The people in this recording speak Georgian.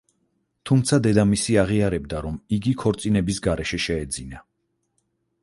თუმცა, დედამისი აღიარებდა, რომ იგი ქორწინების გარეშე შეეძინა.